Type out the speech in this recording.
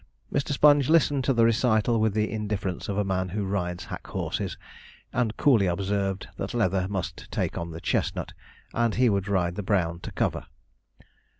Mr. Sponge listened to the recital with the indifference of a man who rides hack horses, and coolly observed that Leather must take on the chestnut, and he would ride the brown to cover.